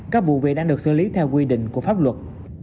các vụ việc đang được xử lý theo quy định của pháp luật